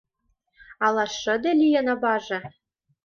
Ала шыде лийын аваже?